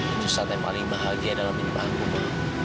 itu saat yang paling bahagia dalam hidup aku ma